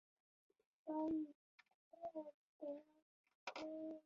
یو شاګرد چې د ځنګل خیلو و.